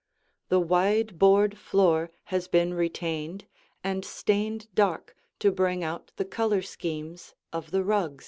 The wide board floor has been retained and stained dark to bring out the color schemes of the rugs.